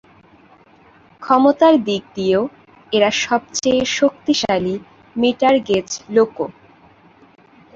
ক্ষমতার দিক দিয়েও এরা সবচেয়ে শক্তিশালী মিটার-গেজ লোকো।